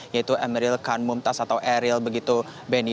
yaitu emeril khan buntas atau eril begitu benny